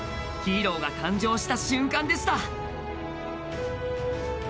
ヒーローが誕生した瞬間でした。